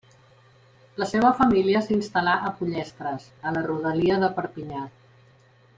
La seva família s'instal·là a Pollestres, a la rodalia de Perpinyà.